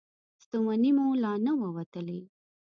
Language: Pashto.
ستومني مو لا نه وه وتلې.